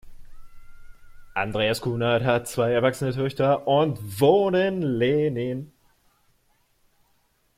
Andreas Kuhnert hat zwei erwachsene Töchter und wohnt in Lehnin.